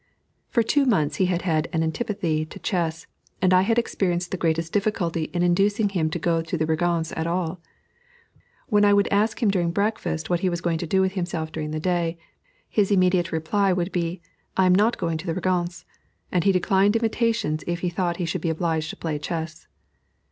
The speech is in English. For two months he had had an antipathy to chess, and I had experienced the greatest difficulty in inducing him to go to the Régence at all. When I would ask him at breakfast what he was going to do with himself during the day, his immediate reply would be, "I am not going to the Régence," and he declined invitations if he thought he should be obliged to play chess.